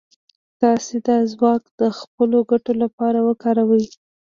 تاسې دا ځواک د خپلو ګټو لپاره وکاروئ.